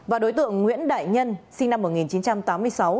và đối tượng nguyễn đại nhân sinh năm một nghìn chín trăm tám mươi sáu